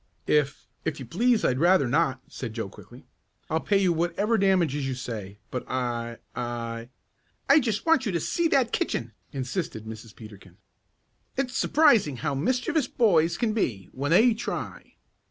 "If if you please I'd rather not," said Joe quickly. "I'll pay you whatever damages you say, but I I " "I just want you to see that kitchen!" insisted Mrs. Peterkin. "It's surprising how mischievous boys can be when they try."